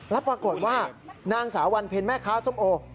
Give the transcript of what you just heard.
แล้วปรากฏว่านางสาววันเพ็ญแม่ค้าส้มโอ